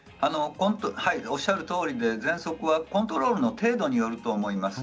おっしゃるとおりでぜんそくはコントロールの程度によると思います。